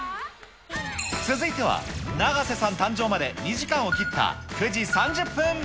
続いては、永瀬さん誕生まで２時間を切った９時３０分。